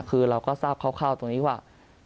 คือเราก็ทราบคร่าวตรงนี้ว่า